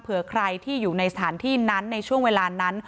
ใครที่อยู่ในสถานที่นั้นในช่วงเวลานั้น